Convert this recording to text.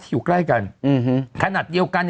อยู่ใกล้กันขนาดเดียวกัน